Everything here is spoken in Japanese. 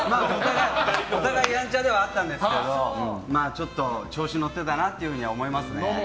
お互いやんちゃではあったんですけど調子乗ってたなというふうには思いますね。